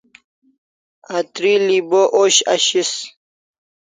Atril'i bo osh ashis